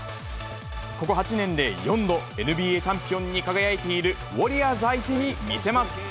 ここ８年で４度、ＮＢＡチャンピオンに輝いているウォリアーズ相手に見せます。